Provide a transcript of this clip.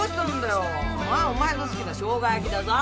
お前の好きなしょうが焼きだぞ。